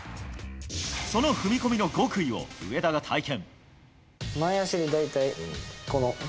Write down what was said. その踏み込みの極意を上田が体験。